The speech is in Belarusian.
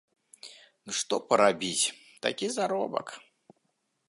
Ну што парабіць, такі заробак!